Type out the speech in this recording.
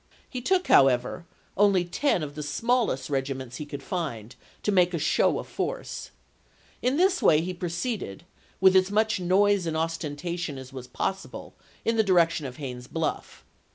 He took, however, only ten of the smallest regiments he could find, to make a show of force. Ali863?9' In this way he proceeded, with as much noise and ostentation as was possible, in the direction of Haines's Bluff.